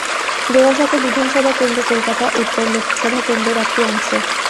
জোড়াসাঁকো বিধানসভা কেন্দ্র কলকাতা উত্তর লোকসভা কেন্দ্রের একটি অংশ।